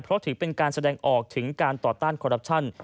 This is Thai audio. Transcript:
เพราะถือเป็นการแสดงออกถึงการต่อต้านคอรัปชั่น